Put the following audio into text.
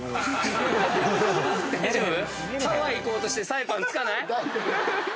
大丈夫。